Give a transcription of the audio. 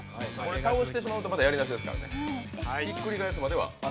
倒してしまうと、またやり直しですからね。